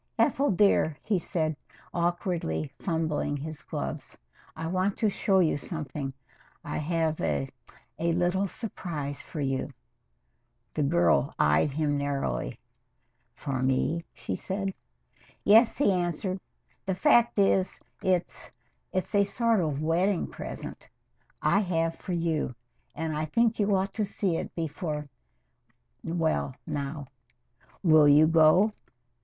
"Ethel dear," he said, awkwardly fumbling his gloves, "I want to show you something. I have a a little surprise for you." The girl eyed him narrowly. "For me?" she said. "Yes," he answered. "The fact is, it's it's a sort of wedding present I have for you, and I think you ought to see it before well, now. Will you go?"